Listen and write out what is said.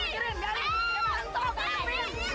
lu harus mikirin apa mau yang pake pake itu